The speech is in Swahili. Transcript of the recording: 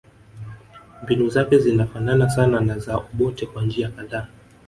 Mbinu zake zinafanana sana na za Obote kwa njia kadhaa